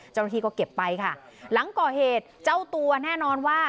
เจ้าหน้าที่ก็เก็บไปค่ะหลังก่อเหตุเจ้าตัวแน่นอนว่า